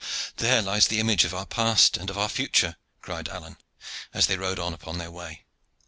"There lies the image of our past and of our future," cried Alleyne, as they rode on upon their way.